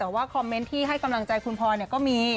แต่ว่าคอมเมนต์ที่ให้กำลังใจคุณพลอยก็มี